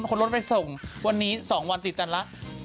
คนรถไปส่งวันนี้สองวันติดกันละ